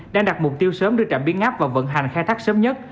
đang đặt mục tiêu sớm đưa trạm biến áp vào vận hành khai thác sớm nhất